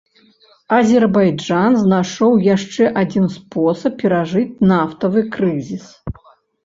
Азербайджан знайшоў яшчэ адзін спосаб перажыць нафтавы крызіс.